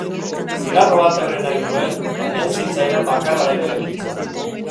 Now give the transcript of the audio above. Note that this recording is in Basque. Zigarro bat erre nahi nuen, baina ez zitzaidan bakarra ere gelditzen.